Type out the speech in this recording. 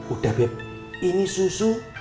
udah beb ini susu